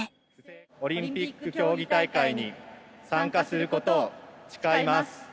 オリンピック競技大会に参加することを誓います。